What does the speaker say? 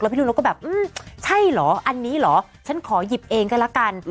แล้วพี่ลูกนกก็แบบอืมใช่เหรออันนี้เหรอฉันขอยิบเองกันละกัน